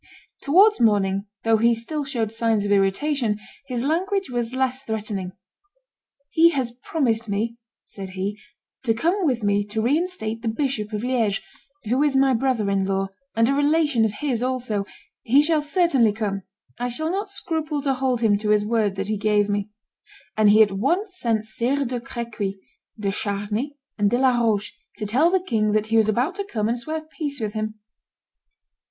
Towards morning, though he still showed signs of irritation, his language was less threatening. "He has promised me," said he, "to come with me to reinstate the Bishop of Liege, who is my brother in law, and a relation of his also; he shall certainly come; I shall not scruple to hold him to his word that he gave me;" and he at once sent Sires de Crequi, de Charni, and de la Roche to tell the king that he was about to come and swear peace with him.